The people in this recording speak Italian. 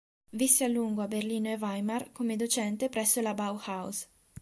Visse a lungo a Berlino e a Weimar come docente presso la Bauhaus.